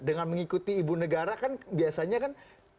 dengan mengikuti ibu negara kan biasanya kan